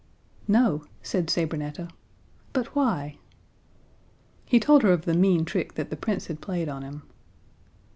"No," said Sabrinetta. "But why?" He told her of the mean trick that the Prince had played on him.